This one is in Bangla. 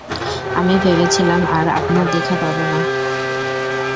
আমি ভেবেছিলাম আর আপনার দেখা পাবোনা।